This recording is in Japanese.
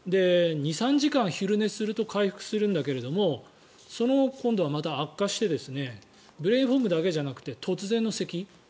２３時間昼寝すると回復するんだけども今度はまた悪化してブレインフォグだけではなくて突然のせき。